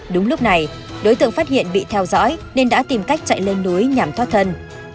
đúng lúc này đối tượng phát hiện bị theo dõi nên đã tìm cách chạy lên núi nhằm thoát thân